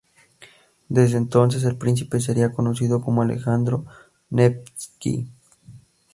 Desde entonces el príncipe sería conocido como Alejandro Nevski.